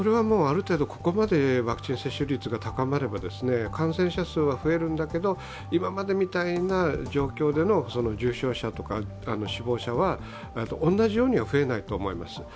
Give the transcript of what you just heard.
ここまでワクチン接種率が高まれば感染者数は増えるんだけど今までみたいな状況での重症者とか死亡者は、同じようには増えないと思います。